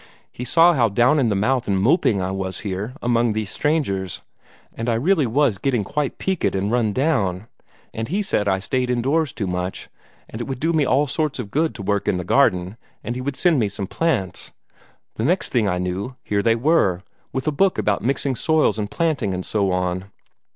"He saw how down in the mouth and moping I was here, among these strangers and I really was getting quite peaked and run down and he said I stayed indoors too much and it would do me all sorts of good to work in the garden, and he would send me some plants. The next I knew, here they were, with a book about mixing soils and planting, and so on.